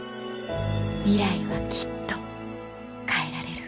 ミライはきっと変えられる